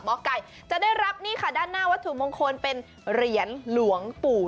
ไก่จะได้รับนี่ค่ะด้านหน้าวัตถุมงคลเป็นเหรียญหลวงปู่